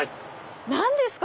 何ですか？